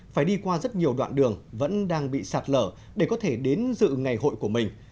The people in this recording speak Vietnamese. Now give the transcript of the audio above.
phải đi qua rất nhiều đoạn đường vẫn đang bị sạt lở để có thể đến dự ngày hội của mình